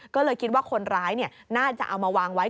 ก็เลยคิดว่าคนร้ายน่าจะเอามาวางไว้